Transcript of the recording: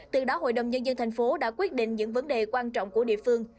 từ đó hội đồng nhân dân thành phố đã quyết định những vấn đề quan trọng của địa phương